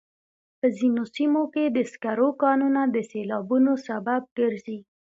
په ځینو سیمو کې د سکرو کانونه د سیلابونو سبب ګرځي.